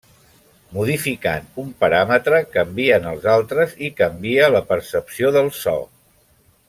Modificant un paràmetre canvien els altres i canvia la percepció del so.